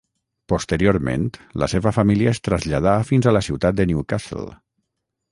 Posteriorment la seva família es traslladà fins a la ciutat de Newcastle.